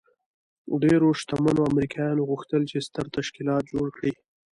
ډېرو شتمنو امریکایانو غوښتل چې ستر تشکیلات جوړ کړي